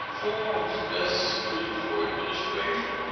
Forms best suited for Administration.